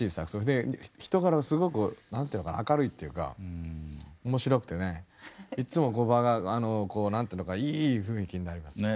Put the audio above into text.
で人柄はすごく何ていうのかな明るいっていうか面白くてねいっつもこう場があのこう何ていうのかいい雰囲気になります。ね。